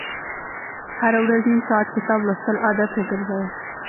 هره ورځ نیم ساعت کتاب لوستل عادت وګرځوئ.